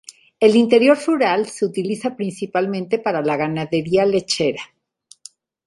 El interior rural se utiliza principalmente para la ganadería lechera.